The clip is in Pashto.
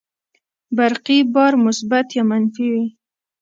برقي بار مثبت یا منفي وي.